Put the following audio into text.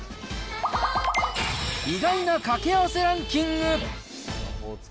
意外なかけあわせランキング。